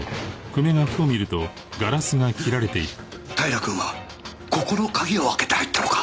平くんはここの鍵を開けて入ったのか